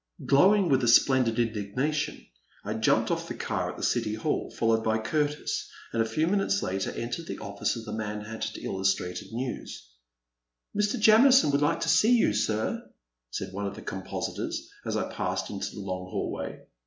Glowing with a splendid indignation I jumped ofl" the car at the City Hall, followed by Curtis, and a few minutes later entered the office of the Manhattan Illustrated News, Mr. Jamison would like to see you, sir, said one of the compositors as I passed into the long hallway.